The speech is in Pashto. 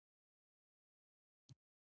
د هېواد مرکز د اوږدمهاله پایښت لپاره مهم رول لري.